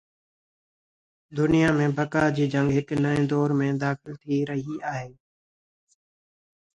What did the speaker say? دنيا ۾ بقا جي جنگ هڪ نئين دور ۾ داخل ٿي رهي آهي.